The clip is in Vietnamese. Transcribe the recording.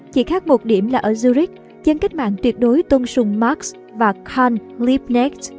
chỉ khác một điểm là ở zurich dân cách mạng tuyệt đối tôn sùng marx và kahn liebknecht